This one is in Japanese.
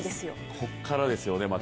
こっからですよね、また。